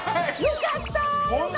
よかったー！